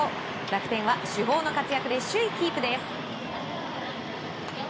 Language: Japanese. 楽天は主砲の活躍で首位キープです。